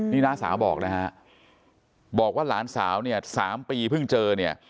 นี่น้าสาวบอกนะฮะบอกว่าหลานสาวเนี่ย๓ปีเพิ่งเจอเนี่ย